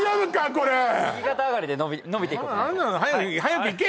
これ右肩上がりで伸びていこうかなと早く行け！